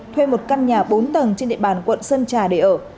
thuê một căn nhà bốn tầng trên địa bàn quận sơn trà để ở